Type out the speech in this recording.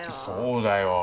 そうだよ。